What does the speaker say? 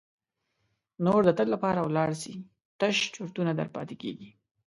نور د تل لپاره ولاړ سي تش چرتونه در پاتیږي.